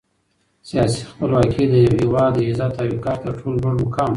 سیاسي خپلواکي د یو هېواد د عزت او وقار تر ټولو لوړ مقام دی.